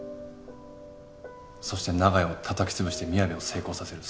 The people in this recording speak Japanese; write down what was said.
そして長屋をたたき潰してみやべを成功させる。